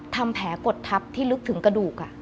ทำแผลกดทับที่ลึกถึงกระดูก